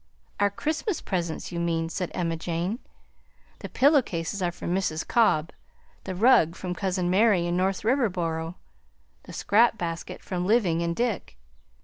"Our Christmas presents, you mean," said Emma Jane. "The pillow cases are from Mrs. Cobb, the rug from cousin Mary in North Riverboro, the scrap basket from Living and Dick.